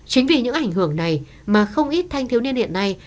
chính vì những ảnh hưởng này mà không ít thanh thiếu niên hiện nay